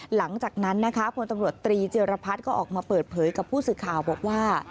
หลังจากนั้นนะคะพลตำรวจตรีเจรพัฒน์ก็ออกมาเปิดเผยกับผู้สื่อข่าวบอกว่า